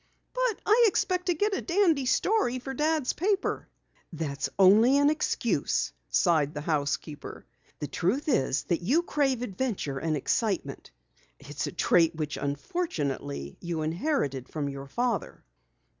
"But I expect to get a dandy story for Dad's paper!" "That's only an excuse," sighed the housekeeper. "The truth is that you crave adventure and excitement. It's a trait which unfortunately you inherited from your father."